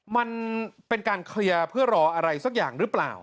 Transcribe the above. มันเป็นการเคลียร์เพื่อรออะไรสักอย่างหรือเปล่า